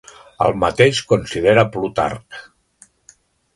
El mateix considera Plutarc.